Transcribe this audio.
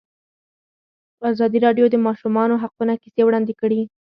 ازادي راډیو د د ماشومانو حقونه کیسې وړاندې کړي.